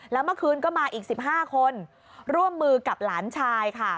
แล้วเมื่อคืนก็มาอีก๑๕คนร่วมมือกับหลานชายค่ะ